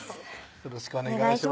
よろしくお願いします